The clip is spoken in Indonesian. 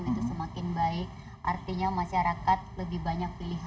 itu semakin baik artinya masyarakat lebih banyak pilihan